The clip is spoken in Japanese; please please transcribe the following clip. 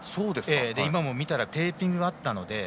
今も見たらテーピングがあったので。